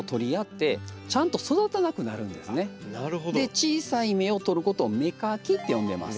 小さい芽を取ることを「芽かき」って呼んでます。